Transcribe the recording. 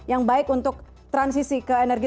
yang baik untuk transisi ke energi